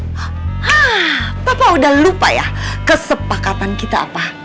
hah papa udah lupa ya kesepakatan kita apa